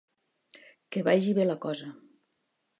Que vagi bé la cosa.